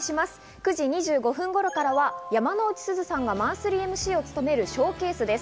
９時２５分頃からは山之内すずさんがマンスリーＭＣを務めるＳＨＯＷＣＡＳＥです。